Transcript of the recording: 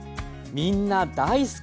みんな大好き。